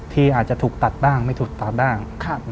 ที่อาจจะถูกตัดบ้างไม่ถูกตัดบ้าง